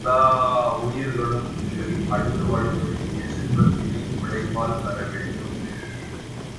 எல்லா உயிர்களும் உண்டு, உடுத்து வாழ்வதற்குரிய செல்வத்தினை உழைப்பால் பெறவேண்டும்.